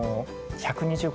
１２５？